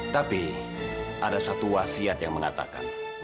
tapi ada satu wasiat yang mengatakan